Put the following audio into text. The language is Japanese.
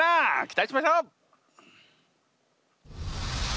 期待しましょう。